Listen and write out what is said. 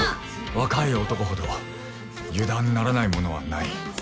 若い男ほど油断ならないものはない